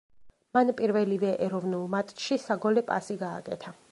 მან პირველივე ეროვნულ მატჩში საგოლე პასი გააკეთა.